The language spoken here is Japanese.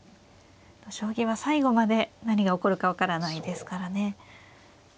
将棋は最後まで何が起こるか分からないですからね。